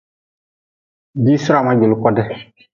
Diisirama juli kodi.